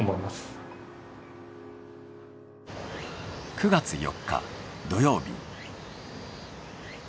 ９月４日土曜日。